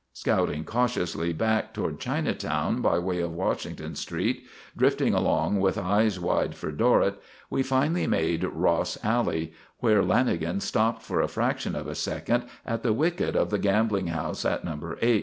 Scouting cautiously back toward Chinatown by way of Washington Street, drifting along with eyes wide for Dorrett, we finally made Ross Alley, where Lanagan stopped for a fraction of a second at the wicket of the gambling house at No. 8.